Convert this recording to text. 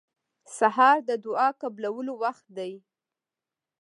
سهار د دعا قبولو وخت دی.